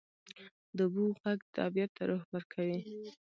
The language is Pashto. د اوبو ږغ طبیعت ته روح ورکوي.